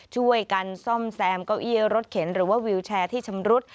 ช่วยกันซ่อมแซมเก้าอี้รถเข็นหรือว่าวิวแชร์ที่ชำรุด